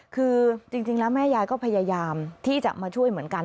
คือจริงแล้วแม่ยายก็พยายามที่จะมาช่วยเหมือนกัน